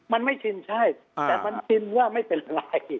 มันไม่ชินใช่แต่มันชินว่าไม่เป็นไร